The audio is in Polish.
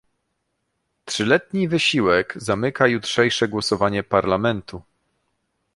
Trzyletni wysiłek zamyka jutrzejsze głosowanie Parlamentu